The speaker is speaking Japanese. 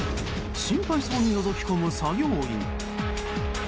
心配そうにのぞき込む作業員。